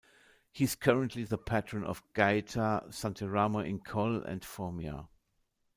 He is currently the patron of Gaeta, Santeramo in Colle and Formia.